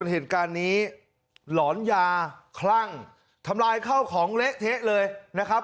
เหตุการณ์นี้หลอนยาคลั่งทำลายข้าวของเละเทะเลยนะครับ